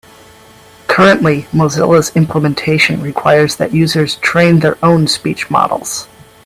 Currently, Mozilla's implementation requires that users train their own speech models.